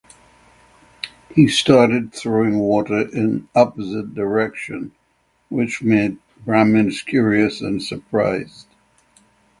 He started throwing water in opposite direction which made Brahmins curious and surprised.